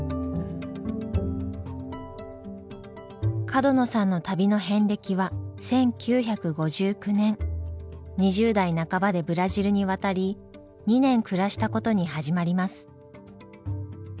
角野さんの旅の遍歴は１９５９年２０代半ばでブラジルに渡り２年暮らしたことに始まります。